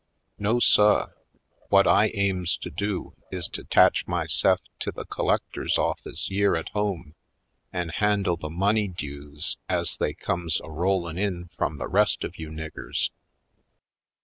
No suh, whut I aims to do is to 'tach my se'f to the collector's office yere at home an' handle the money dues ez they comes a rol lin' in f rum the rest of you niggers.